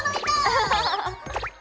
アハハハッ。